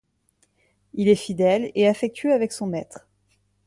Il est fidèle et affectueux avec son maître.